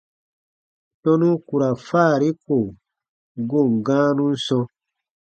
Tɔnu ku ra faari ko goon gãanun sɔ̃.